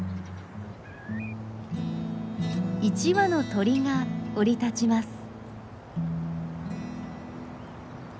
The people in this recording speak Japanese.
１羽の鳥が降り立ちます。